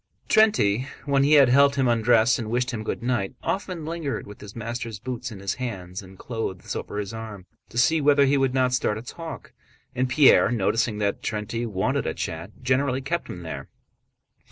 Terénty, when he had helped him undress and wished him good night, often lingered with his master's boots in his hands and clothes over his arm, to see whether he would not start a talk. And Pierre, noticing that Terénty wanted a chat, generally kept him there.